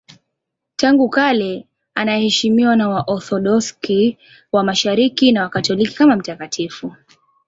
Tangu kale anaheshimiwa na Waorthodoksi wa Mashariki na Wakatoliki kama mtakatifu.